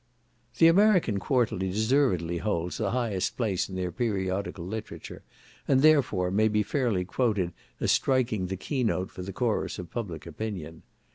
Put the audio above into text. The American Quarterly deservedly holds the highest place in their periodical literature, and, therefore, may be fairly quoted as striking the keynote for the chorus of public opinion.